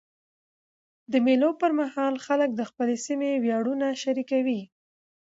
د مېلو پر مهال خلک د خپل سیمي ویاړونه شریکوي.